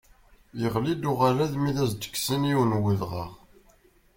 Yeɣli-d uɣalad mi as-d-kksen yiwen n udɣaɣ.